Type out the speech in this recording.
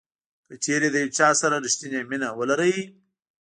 کچیرې د یو چا سره ریښتینې مینه ولرئ.